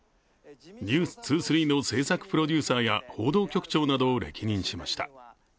「ＮＥＷＳ２３」の制作プロデューサーや報道局長などを歴任しました。